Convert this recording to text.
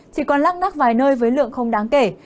chỉ còn lắc nác vài nơi với lượng không đáng kể